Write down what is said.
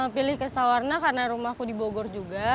pilih ke sawarna karena rumahku di bogor juga